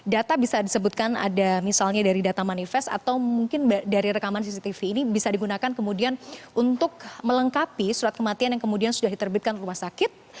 data bisa disebutkan ada misalnya dari data manifest atau mungkin dari rekaman cctv ini bisa digunakan kemudian untuk melengkapi surat kematian yang kemudian sudah diterbitkan rumah sakit